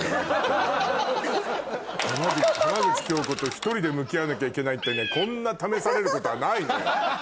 浜口京子と１人で向き合わなきゃいけないってねこんな試されることはないのよ。